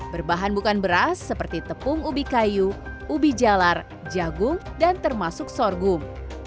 berbahan bukan beras seperti tepung ubi kayu ubi jalar jagung dan termasuk sorghum